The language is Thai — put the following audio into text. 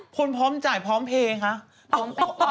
คนพร้อมจ่ายพร้อมเภยค่ะพร้อมจ่าย